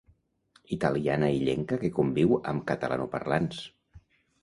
Italiana illenca que conviu amb catalanoparlants.